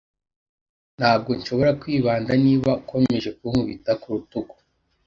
ntabwo nshobora kwibanda niba ukomeje kunkubita ku rutugu